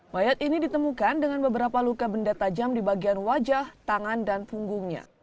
mayat ini ditemukan dengan beberapa luka benda tajam di bagian wajah tangan dan punggungnya